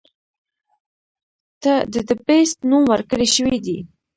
ته د “The Beast” نوم ورکړے شوے دے.